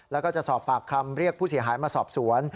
แล้วก็จะสอบปากคำเรียกผู้เสียหายมาสอบสวน